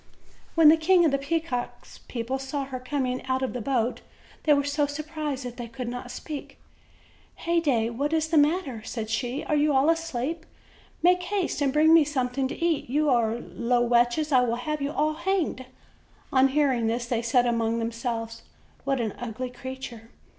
When the King of the Peacocks' people saw her com ing out of the boat, they were so surprised that they could not speak. "Heyday, what is the matter?" said she. "Are you all asleep? Make haste and bring me something to eat. You are low wretches, and I will have you all hanged." On hearing this, they said among themselves: "What an ugly creature!